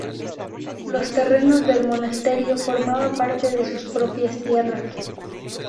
Los terrenos del monasterio formaba parte de sus propias tierras.